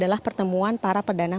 dan jangan lupa teenagers